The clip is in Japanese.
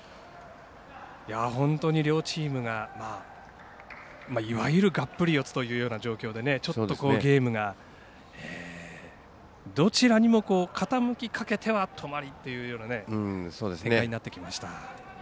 本当に両チームが、いわゆるがっぷり四つという形でちょっとゲームがどちらにも傾きかけては止まりというような展開になってきました。